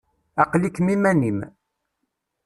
Aql-ikem iman-im.